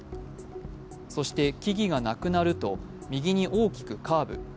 そして木々がなくなると右に大きくカーブ。